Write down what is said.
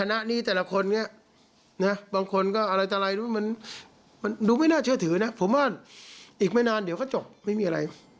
ไม่จำเป็นต้องกลับมาหาผมแล้วไปไหนก็ไปนะ